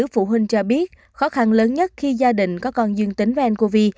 phụ huynh cho biết khó khăn lớn nhất khi gia đình có con dương tính với ncov